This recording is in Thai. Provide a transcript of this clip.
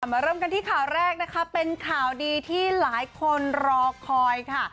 มาเริ่มกันที่ข่าวแรกนะคะเป็นข่าวดีที่หลายคนรอคอยค่ะ